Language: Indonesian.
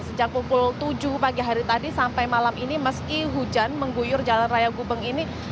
sejak pukul tujuh pagi hari tadi sampai malam ini meski hujan mengguyur jalan raya gubeng ini